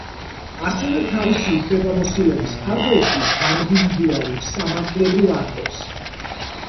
ასევე, თავისი უფლებამოსილების ფარგლებში გამოსცემს ინდივიდუალურ სამართლებრივ აქტებს.